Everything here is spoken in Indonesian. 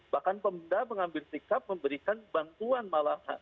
bahkan pemda mengambil sikap memberikan bantuan malah